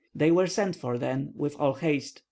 They were sent for then with all haste.